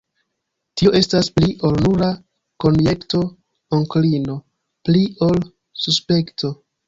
Tio estas pli ol nura konjekto, onklino; pli ol suspekto.